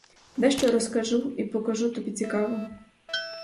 Дещо розкажу й покажу тобі цікавого.